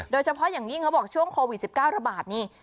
โดยเฉพาะอย่างยิ่งเขาบอกช่วงโควิด๑๙ระบาดนี่